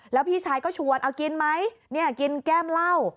แล้วพี่ชายก็ชวนเอากินไหมเนี่ยกินแก้มเหล้า